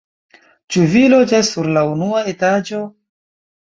Ĉu vi loĝas sur la unua etaĝo?